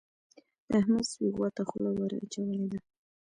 د احمد سپي غوا ته خوله ور اچولې ده.